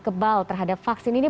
kebal terhadap vaksin ini